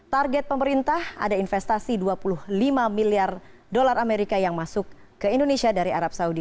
target pemerintah ada investasi dua puluh lima miliar dolar amerika yang masuk ke indonesia dari arab saudi